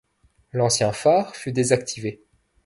L'ancien phare fut désactivé.